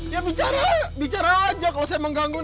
ya bicara aja bicara aja kalau saya mengganggu